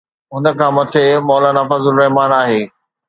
هن کان مٿي مولانا فضل الرحمان آهي.